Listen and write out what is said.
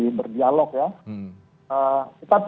ini seperti apa sih sebetulnya bang wandi